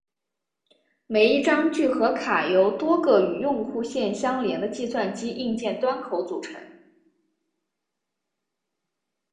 每一张聚合卡由多个与用户线相连的计算机硬件端口组成。